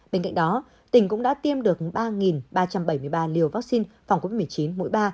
bên cạnh đó tỉnh cũng đã tiêm được ba ba trăm bảy mươi ba liều vaccine phòng covid một mươi chín mỗi ba